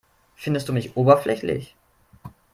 Findest du mich oberflächlich?